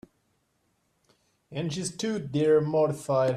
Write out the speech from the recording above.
And she stood there mortified.